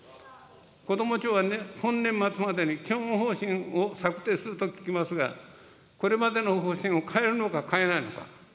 こども庁は本年末までに基本方針を策定すると聞きますが、これまでの方針を変えるのか変えないのか。